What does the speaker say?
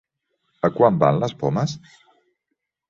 A quant van les pomes?